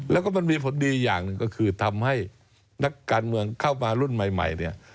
แล้วก็มันมีผลดีอย่างหนึ่งก็คือทำให้นักการเมืองเข้ามารุ่นใหม่เนี่ย